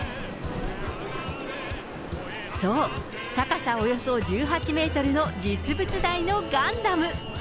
そう、高さおよそ１８メートルの実物大のガンダム。